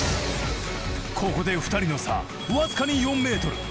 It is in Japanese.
ここで２人の差僅かに４ｍ。